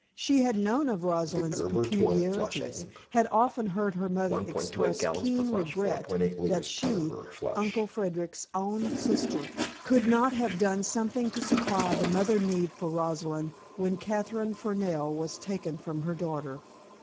She had known of Rosalind's peculiarities, had often heard her mother express keen regret that she, Uncle Frederic's own sister, could not have done something to supply the mother need for Rosalind when Katherine Fernell was taken from her daughter.